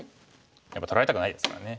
やっぱり取られたくないですからね。